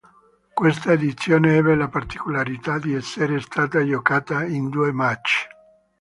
Questa edizione ebbe la particolarità di essere stata giocata in due match.